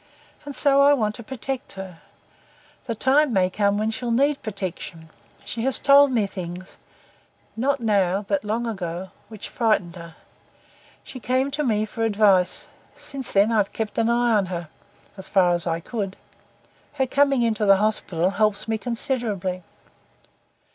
"and so I want to protect her. The time may come when she'll need protection. She has told me things not now but long ago which frightened her. She came to me for advice. Since then I've kept an eye on her as far as I could. Her coming into the hospital helps me considerably."